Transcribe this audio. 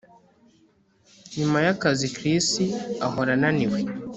Nyuma yakazi Chris ahora ananiwe